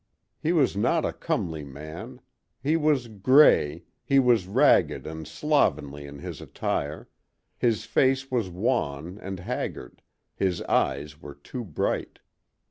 He was not a comely man. He was gray; he was ragged and slovenly in his attire; his face was wan and haggard; his eyes were too bright.